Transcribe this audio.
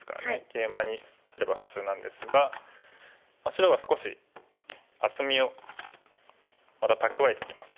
ケイマにすれば普通なんですが白は少し厚みをまた蓄えてきます。